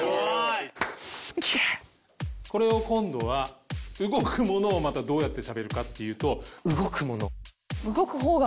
これを今度は動くものをまたどうやってしゃべるかっていうと。